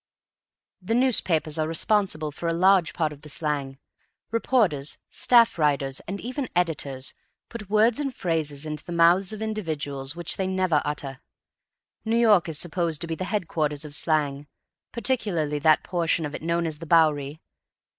The newspapers are responsible for a large part of the slang. Reporters, staff writers, and even editors, put words and phrases into the mouths of individuals which they never utter. New York is supposed to be the headquarters of slang, particularly that portion of it known as the Bowery.